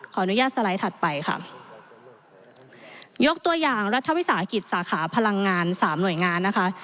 ขออนุญาตสไลด์ถัดไปค่ะยกตัวอย่างรัฐวิสาหกิจสาขาพลังงานสามหน่วยงานนะคะ